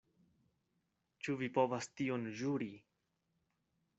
Ĉu vi povas tion ĵuri?